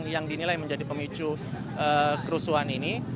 yang dinilai menjadi pemicu kerusuhan ini